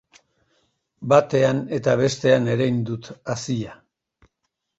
Batean eta bestean erein dut hazia.